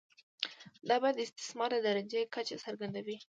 دا بیه د استثمار د درجې کچه څرګندوي